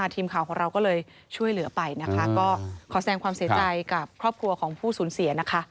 ทีมข่าวของเราก็เลยช่วยเหลือไปนะคะก็ขอแสงความเสียใจกับครอบครัวของผู้สูญเสียนะคะ